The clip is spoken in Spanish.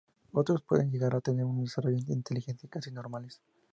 Otros pueden llegar a tener un desarrollo e inteligencia casi normales.